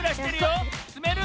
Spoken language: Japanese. つめる？